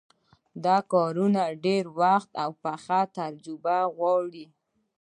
دا کارونه ډېر وخت او پخه تجربه غواړي.